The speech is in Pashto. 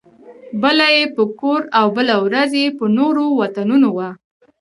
بله یې پر کور او بله ورځ یې پر نورو وطنونو وه.